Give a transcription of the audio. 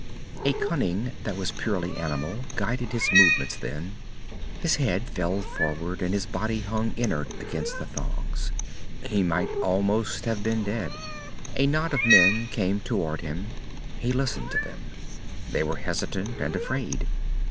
A cunning that was purely animal guided his movements then. His head fell forward, and his body hung inert against the thongs. He might almost have been dead. A knot of men came toward him. He listened to them. They were hesitant and afraid.